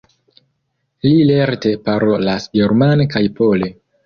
Li lerte parolas germane kaj pole.